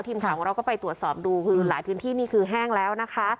ทีมข่าวของเราก็ไปตรวจสอบดูคือหลายพื้นที่นี่คือแห้งแล้วนะคะ